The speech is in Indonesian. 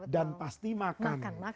dan pasti makan